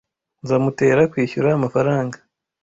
Nzamutera kwishyura amafaranga.